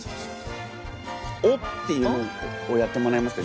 「お」っていうのをやってもらえますか？